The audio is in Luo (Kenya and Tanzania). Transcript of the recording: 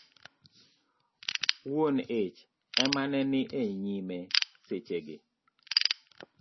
wuon ich ema ne ni e nyime seche gi